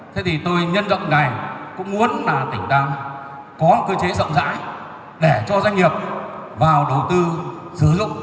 thế thì tôi nhân rộng ngành cũng muốn là tỉnh đang có cơ chế rộng rãi để cho doanh nghiệp vào đầu tư sử dụng